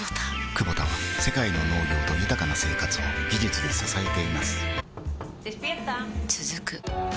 クボタは世界の農業と豊かな生活を技術で支えています起きて。